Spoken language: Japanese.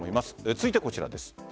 続いてはこちらです。